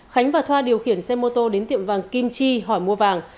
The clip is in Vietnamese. khánh và thoa điều khiển xe mô tô đến tiệm vàng kim chi hỏi mua vàng